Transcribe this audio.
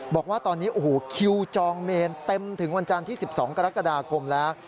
บอกว่าตอนนี้โอ้โหคิวจองเมนเต็มถึงวันจันทร์ที่๑๒กรกฎาคมแล้ว